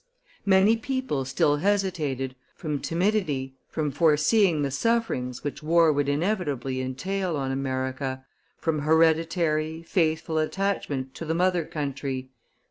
Many people still hesitated, from timidity, from foreseeing the sufferings which war would inevitably entail on America, from hereditary, faithful attachment to the mother country.